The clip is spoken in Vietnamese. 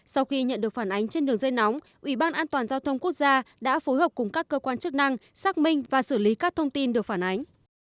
sau khi nhận được phản ánh trên đường dây nóng ủy ban an toàn giao thông quốc gia đã phối hợp cùng các cơ quan chức năng xác minh và xử lý các thông tin được phản ánh